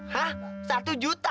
hah satu juta